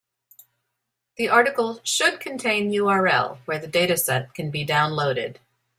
The article should contain URL where the dataset can be downloaded.